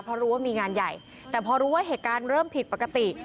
เพราะรู้ว่ามีงานใหญ่แต่พอรู้ว่าเหตุการณ์เริ่มผิดปกติ